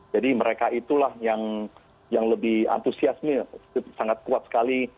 jadi mereka itulah yang lebih antusiasmi sangat kuat sekali